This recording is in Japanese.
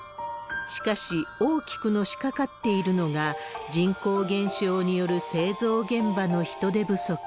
しかし、大きくのしかかっているのが、人口減少による製造現場の人手不足。